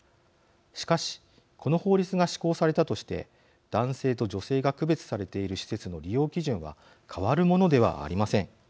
しかし、この法律が施行されたとして男性と女性が区別されている施設の利用基準は変わるものではありません。